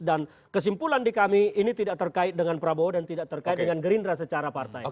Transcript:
dan kesimpulan di kami ini tidak terkait dengan prabowo dan tidak terkait dengan gerindra secara partai